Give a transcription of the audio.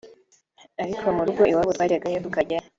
ariko mu rugo iwabo twajyagayo tukaryayo